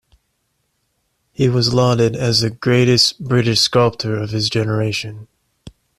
He was lauded as the greatest British sculptor of his generation.